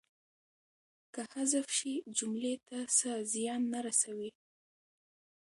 که حذف شي جملې ته څه زیان نه رسوي.